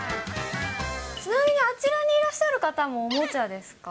ちなみに、あちらにいらっしゃる方もおもちゃですか。